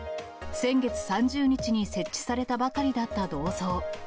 先月３０日に設置されたばかりだった銅像。